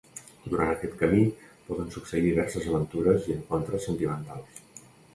Durant aquest camí poden succeir diverses aventures i encontres sentimentals.